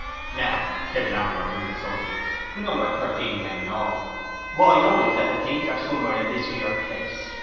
'Now,' said Latimer to his associates, who numbered thirteen men in all, 'what I know is that the things are somewhere in this here place.